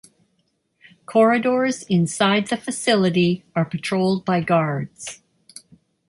Corridors inside the facility are patrolled by guards.